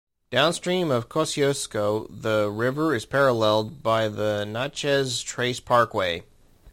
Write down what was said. Downstream of Kosciusko, the river is paralleled by the Natchez Trace Parkway.